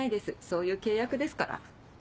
そういう契約ですから。